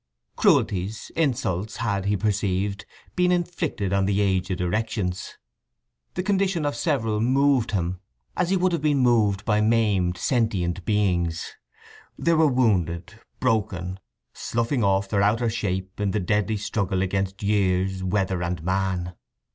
Cruelties, insults, had, he perceived, been inflicted on the aged erections. The condition of several moved him as he would have been moved by maimed sentient beings. They were wounded, broken, sloughing off their outer shape in the deadly struggle against years, weather, and man.